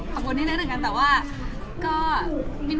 ขอบคุณนิดนึงถึงกัน